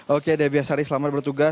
oke debbie asari selamat bertugas